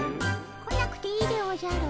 来なくていいでおじゃる。